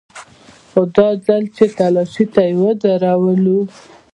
خو دا ځل چې تلاشۍ ته يې ودرولو.